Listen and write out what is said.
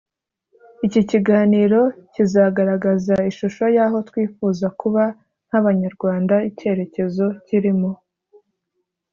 iki kiganiro kizagaragaza ishusho y aho twifuza kuba nk abanyarwanda icyerekezo kirimo